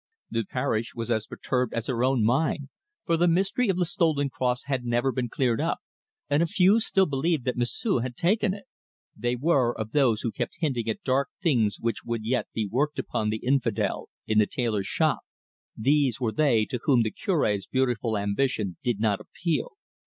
The parish was as perturbed as her own mind, for the mystery of the stolen cross had never been cleared up, and a few still believed that M'sieu' had taken it. They were of those who kept hinting at dark things which would yet be worked upon the infidel in the tailor's shop. These were they to whom the Curb's beautiful ambition did not appeal.